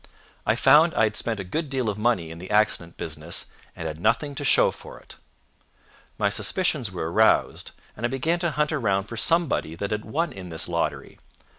I found I had spent a good deal of money in the accident business, and had nothing to show for it. My suspicions were aroused, and I began to hunt around for somebody that had won in this lottery.